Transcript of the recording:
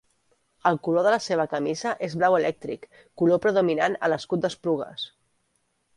El color de la seva camisa és blau elèctric, color predominant a l'escut d'Esplugues.